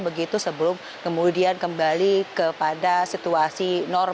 begitu sebelum kemudian kembali kepada situasi normal